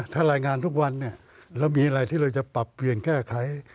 ถ้ารายงานทุกวันเนี่ยเรามีอะไรที่เราจะปรับเปลี่ยนแก้ไข